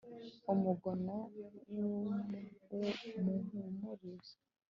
umugono muwuhuruza